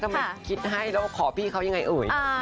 ทำไมคิดให้แล้วขอพี่เขายังไงเอ่ย